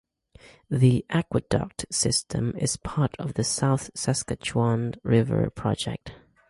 The aqueduct system is part of the South Saskatchewan River Project.